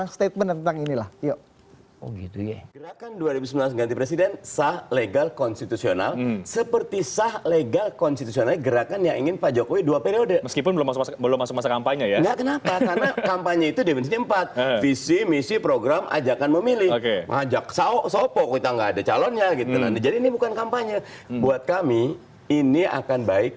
statement tentang inilah yuk